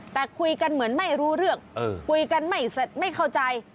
แต่คุยกันเหมือนไม่รู้เรื่องคุยกันไม่เข้าใจ